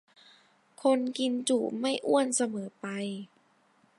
คนกินจุไม่อ้วนเสมอไป